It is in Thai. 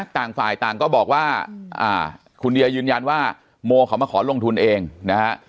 ต่างฝ่ายต่างก็บอกว่าคุณเดียยืนยันว่าโมเขามาขอลงทุนเองนะฮะ